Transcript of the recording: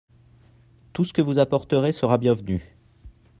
Tout ce que vous apporterez sera bienvenu.